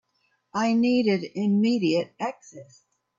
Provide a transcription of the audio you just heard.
I needed immediate access.